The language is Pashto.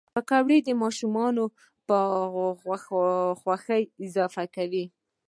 پکورې د ماشومانو په خوښیو اضافه کوي